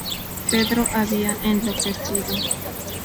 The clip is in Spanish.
Pedro había enloquecido.